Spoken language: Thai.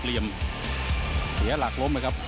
เริ่มท้าครับ